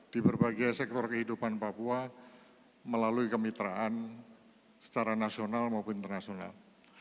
di berbagai sektor kehidupan papua melalui kemitraan secara nasional maupun internasional